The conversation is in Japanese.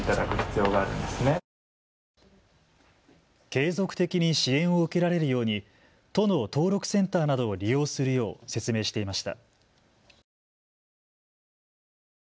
継続的に支援を受けられるように都の登録センターなどを利用するよう説明していました。